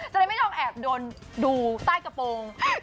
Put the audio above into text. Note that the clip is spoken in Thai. จะได้ไม่ต้องแอบดูใต้กระโปรง